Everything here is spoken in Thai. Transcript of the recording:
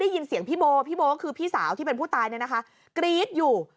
ยินเสียงพี่โบพี่โบ๊คือพี่สาวที่เป็นผู้ตายเนี่ยนะคะกรี๊ดอยู่